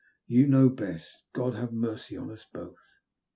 You know best. May God have mercy on us both